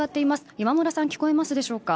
ヤマムラさん聞こえますでしょうか。